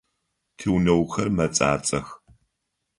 Тигъунэгъухэр мэцӏацӏэх.